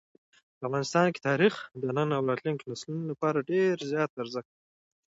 افغانستان کې تاریخ د نن او راتلونکي نسلونو لپاره ډېر زیات ارزښت لري.